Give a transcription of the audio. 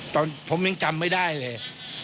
ตอนผมยังจำไม่ได้เลย